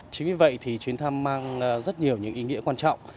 chính vì vậy thì chuyến thăm mang rất nhiều những ý nghĩa quan trọng